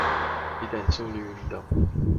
以等速率運動